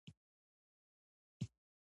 تاسو بایلونکی یاست